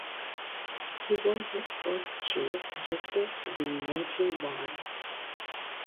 He was the first chief justice to be native born.